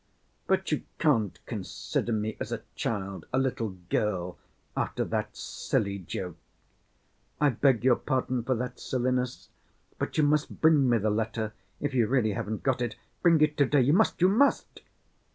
"But you can't consider me as a child, a little girl, after that silly joke! I beg your pardon for that silliness, but you must bring me the letter, if you really haven't got it—bring it to‐day, you must, you must."